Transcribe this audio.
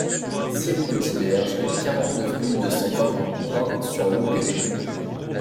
six rue du Thiberge, quarante-neuf mille deux cent vingt Brain-sur-Longuenée